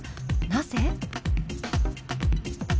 なぜ？